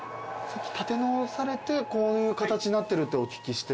建て直されてこういう形になってるってお聞きして。